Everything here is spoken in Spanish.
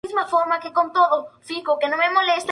Asociación de Estudios del Mar.